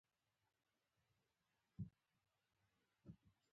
د خپل ځان سره مهربانه اوسیدل د ذهن سکون راوړي.